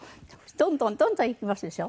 どんどんどんどんいきますでしょ。